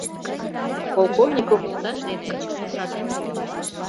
— Полковников йолташ дене кутырышашем уло.